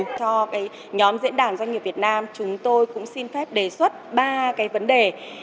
cho nhóm diễn đàn doanh nghiệp việt nam chúng tôi cũng xin phép đề xuất ba cái vấn đề